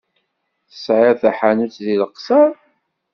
Tesɛiḍ taḥanut deg Leqṣeṛ?